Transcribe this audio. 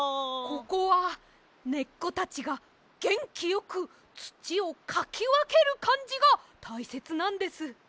ここはねっこたちがげんきよくつちをかきわけるかんじがたいせつなんです。